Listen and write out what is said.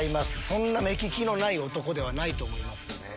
そんな目利きのない男ではないと思いますんで。